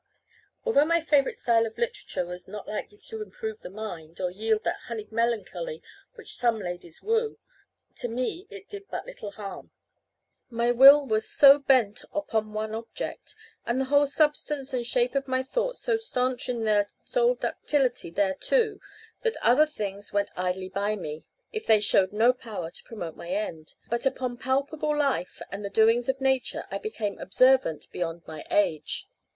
Although my favourite style of literature was not likely to improve the mind, or yield that honeyed melancholy which some young ladies woo, to me it did but little harm. My will was so bent upon one object, and the whole substance and shape of my thoughts so stanch in their sole ductility thereto, that other things went idly by me, if they showed no power to promote my end. But upon palpable life, and the doings of nature I became observant beyond my age.